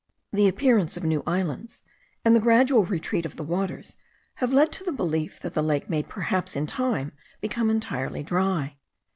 The appearance of new islands, and the gradual retreat of the waters, have led to the belief that the lake may perhaps, in time, become entirely dry.